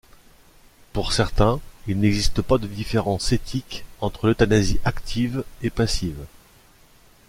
Pour certains, il n'existe pas de différence éthique entre l'euthanasie active et passive.